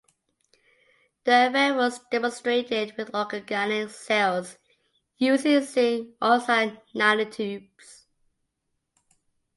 The effect was demonstrated with organic cells using zinc oxide nanotubes.